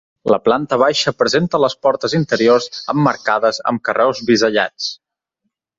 La planta baixa presenta les portes interiors emmarcades amb carreus bisellats.